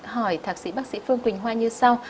hỏi thạc sĩ bác sĩ phương quỳnh hoa như sau